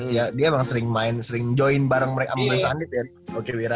iya dia emang sering main sering join bareng mereka sama west bandit ya okiwira